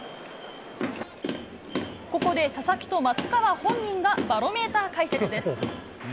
ここで佐々木と松川本人がバロメーター解説です。